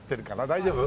大丈夫？